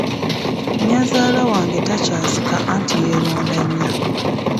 Nnyazaala wange takyazika anti yeeronda nnyo.